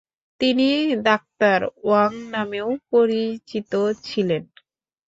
তিনি doctor Wang নামেও পরিচিত ছিলেন।